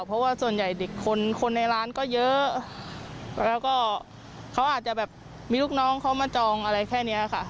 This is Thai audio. เพราะว่าส่วนใหญ่เด็กคนคนในร้านก็เยอะแล้วก็เขาอาจจะแบบมีลูกน้องเขามาจองอะไรแค่นี้ค่ะ